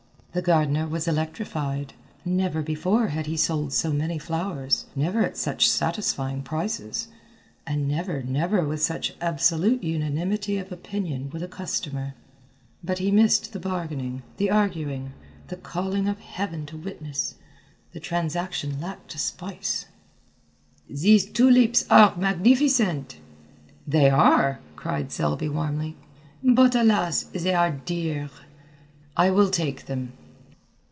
The gardener was electrified. Never before had he sold so many flowers, never at such satisfying prices, and never, never with such absolute unanimity of opinion with a customer. But he missed the bargaining, the arguing, the calling of Heaven to witness. The transaction lacked spice. "These tulips are magnificent!" "They are!" cried Selby warmly. "But alas, they are dear." "I will take them."